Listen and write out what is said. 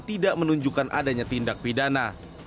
tidak menunjukkan adanya tindak pidana